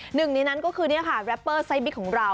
หนึ่งในนั้นก็คือนี่ค่ะแรปเปอร์ไซสบิ๊กของเรา